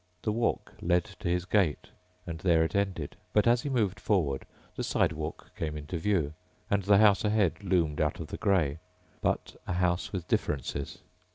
The walk led to his gate and there it ended, but as he moved forward the sidewalk came into view and the house ahead loomed out of the gray, but a house with differences.